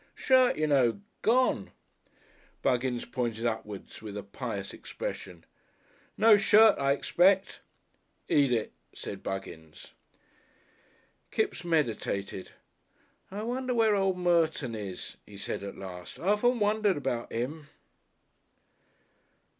Shirt, you know, gone " Buggins pointed upward with a pious expression. "No shirt, I expect?" "Eat it," said Buggins. Kipps meditated. "I wonder where old Merton is," he said at last. "I often wondered about 'im."